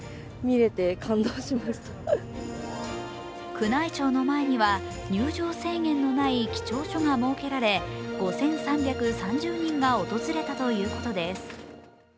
宮内庁の前には入場制限のない記帳所が設けられ、５３３０人が訪れたということです。